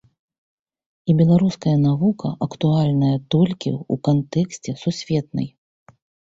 І беларуская навука актуальная толькі ў кантэксце сусветнай.